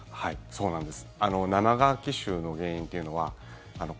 そうなんです。